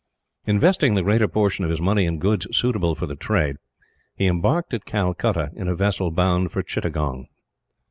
Investing the greater portion of his money in goods suitable for the trade, he embarked at Calcutta in a vessel bound for Chittagong.